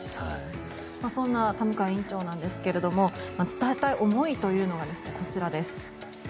そんな田向院長ですが伝えたい思いというのがこちらです。